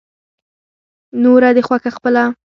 نوره دې خوښه خپله.